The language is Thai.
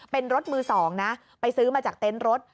เป็นรถมือ๒นะไปซื้อมาจากเต็นต์รถ